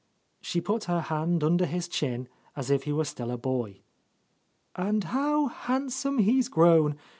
She put her hand under his chin as if he were still a boy. "And how handsome he's grown!